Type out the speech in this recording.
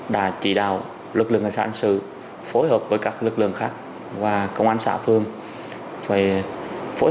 đã chỉ đạo lực lượng ngân sản sự phối hợp với các lực lượng khác và công an xã phương phải phối